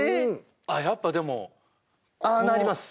やっぱでもああなります